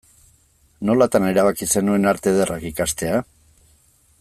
Nolatan erabaki zenuen Arte Ederrak ikastea?